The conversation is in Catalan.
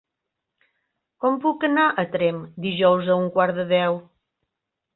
Com puc anar a Tremp dijous a un quart de deu?